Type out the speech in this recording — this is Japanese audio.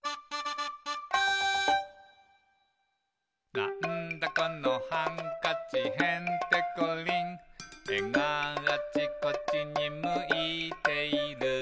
「なんだこのハンカチへんてこりん」「えがあちこちにむいている」